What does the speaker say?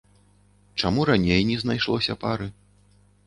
Чаму раней не знайшлося пары?